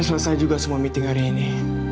selesai juga semua meeting hari ini